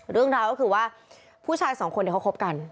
เรื่องราวก็คือว่าผู้ชายสองคนเขาคบกัน